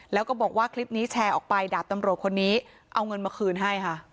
แล้วก็บอกว่าคลิปนี้แชร์ออกไปดาบตำรวจคนนี้เอาเงินมาคืนให้ค่ะ